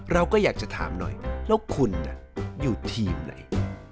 เราก็อยากจะถามหน่อยแล้วคุณอยู่ทีมไหน